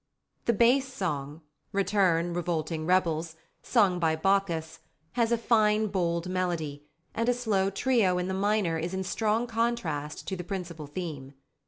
The bass song, "Return, revolting rebels," sung by Bacchus, has a fine bold melody; and a slow trio in the minor is in strong contrast to the principal theme.